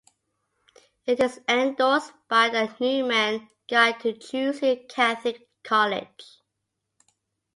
It is endorsed by "The Newman Guide to Choosing a Catholic College".